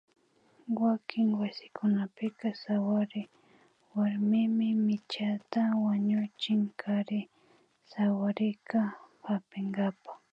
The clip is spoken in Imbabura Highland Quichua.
Wakin wasikunapika sawary warmimi michata wañuchin kari sawarikta hapinkapa